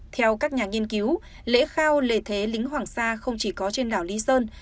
theo các nhà nghiên cứu lễ khao lễ thế lính hoàng sa không chỉ có trên đảo lý sơn